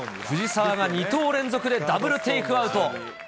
藤澤が２投連続で、ダブルテイクアウト。